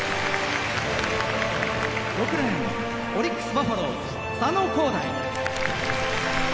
６レーンオリックス・バファローズ佐野皓大。